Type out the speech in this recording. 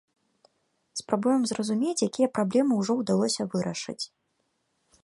Спрабуем зразумець, якія праблемы ўжо ўдалося вырашыць.